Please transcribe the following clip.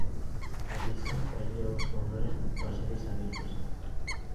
Eliza, herria hustu ondoren, baseliza bihurtu zen.